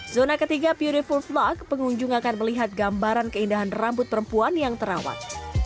zona ketiga puriful fluk pengunjung akan melihat gambaran keindahan rambut perempuan yang terawat